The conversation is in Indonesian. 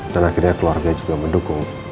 dan akhirnya keluarga juga mendukung